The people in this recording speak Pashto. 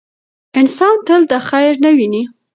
انسان تل دا خیر نه ویني.